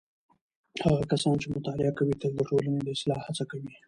هغه کسان چې مطالعه کوي تل د ټولنې د اصلاح هڅه کوي.